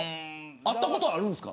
会ったことありますか。